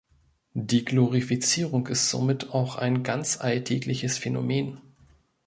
Die Glorifizierung ist somit auch ein ganz alltägliches Phänomen.